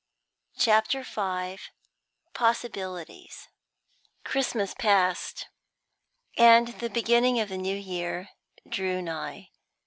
CHAPTER V POSSIBILITIES Christmas passed, and the beginning of the New Year drew nigh.